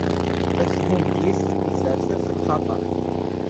Azmummeg-is isers-as lxaṭer.